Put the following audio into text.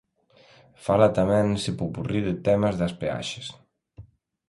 Fala tamén nese popurrí de temas das peaxes.